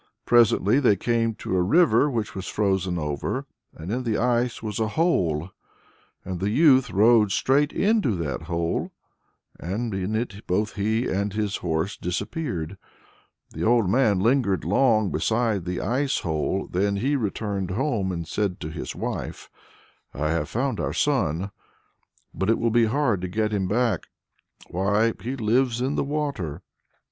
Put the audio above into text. Presently they came to a river which was frozen over, and in the ice was a hole. And the youth rode straight into that hole, and in it both he and his horse disappeared. The old man lingered long beside the ice hole, then he returned home and said to his wife: "I have found our son, but it will be hard to get him back. Why, he lives in the water!"